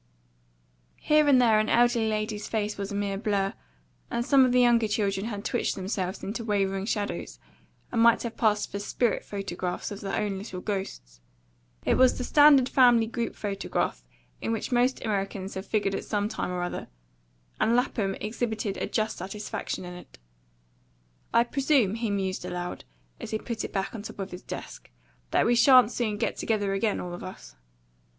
Here and there an elderly lady's face was a mere blur; and some of the younger children had twitched themselves into wavering shadows, and might have passed for spirit photographs of their own little ghosts. It was the standard family group photograph, in which most Americans have figured at some time or other; and Lapham exhibited a just satisfaction in it. "I presume," he mused aloud, as he put it back on top of his desk, "that we sha'n't soon get together again, all of us."